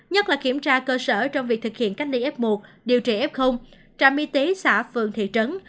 nhất là kiểm tra cơ sở trong việc thực hiện cách ly f một điều trị f trạm y tế xã phường thị trấn